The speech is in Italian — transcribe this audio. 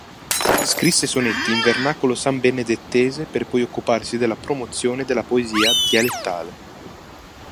Scrisse sonetti in vernacolo sambenedettese per poi occuparsi della promozione della poesia dialettale.